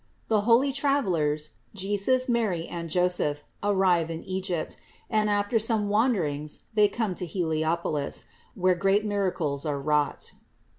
THE HOLY TRAVELERS, JESUS, MARY AND JOSEPH, ARRIVE IN EGYPT, AND AFTER SOME WANDERINGS THEY COME TO HEUOPOUS, WHERE GREAT MIRACLES ARE WROUGHT.